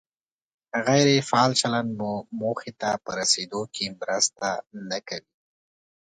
غیر فعال چلند مو موخې ته په رسېدو کې مرسته نه کوي.